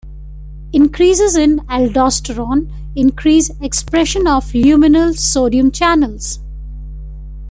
Increases in aldosterone increase expression of luminal sodium channels.